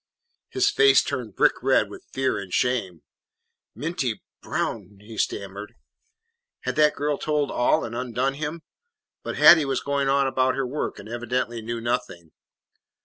His face turned brick red with fear and shame. "Minty Brown!" he stammered. Had that girl told all and undone him? But Hattie was going on about her work and evidently knew nothing.